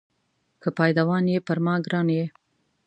که پایدوان یې پر ما ګران یې.